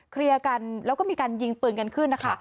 เคลียร์กันแล้วก็มีการยิงปืนกันขึ้นนะคะ